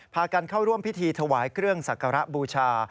พากันเข้าร่วมพิธีถวายเครื่องสักการะบูชา